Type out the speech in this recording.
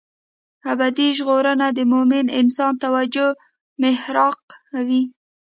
ابدي ژغورنه د مومن انسان توجه محراق وي.